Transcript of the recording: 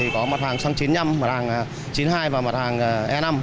có mặt hàng xăng chín mươi năm mặt hàng chín mươi hai và mặt hàng e năm